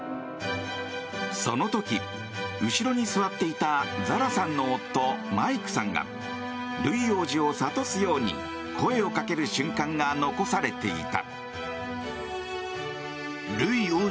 その時、後ろに座っていたザラさんの夫マイクさんがルイ王子を諭すように声をかける瞬間が残されていた。